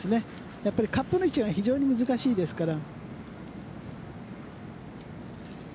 カップの位置が非常に難しいですから。